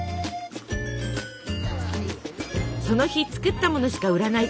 その日作ったものしか売らない。